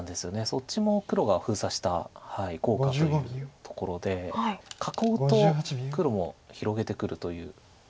そっちも黒が封鎖した効果というところで囲うと黒も広げてくるという。